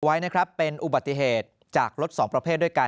ไว้นะครับเป็นอุบัติเหตุจากรถสองประเภทด้วยกัน